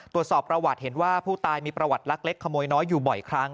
ตรวจสอบประวัติเห็นว่าผู้ตายมีประวัติลักเล็กขโมยน้อยอยู่บ่อยครั้ง